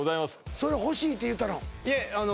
それ欲しいって言うたの？